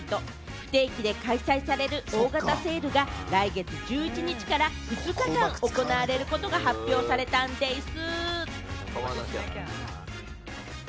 不定期で開催される大型セールが来月１１日から２日間行われることが発表されたんでぃす！